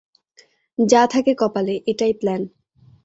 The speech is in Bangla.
যা থাকে কপালে - এটাই প্ল্যান।